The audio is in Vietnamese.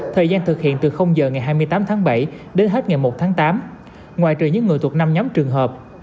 thời gian thực hiện từ giờ ngày hai mươi tám tháng bảy đến hết ngày một tháng tám ngoài trừ những người thuộc năm nhóm trường hợp